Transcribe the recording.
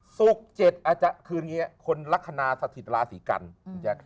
สุกเจ็ดอาจารย์คืออย่างนี้คนลักษณะสถิตราศิกรรม